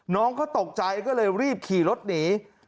น้องเขาตกใจก็เลยรีบขี่รถหนี